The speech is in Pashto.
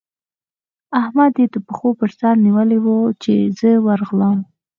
احمد يې د پښو پر سره نيولی وو؛ چې زه ورغلم.